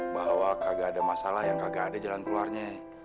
bahwa kagak ada masalah yang kagak ada jalan keluarnya